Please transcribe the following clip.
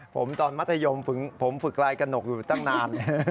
ผมตอนมัธยมผมฝึกลายกระหนกอยู่ตั้งนาน